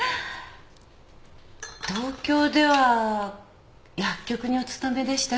東京では薬局にお勤めでしたっけ？